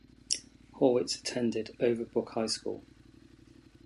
Horwitz attended Overbrook High School.